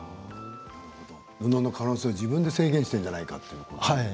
布の可能性を自分で制限しているんじゃないかと。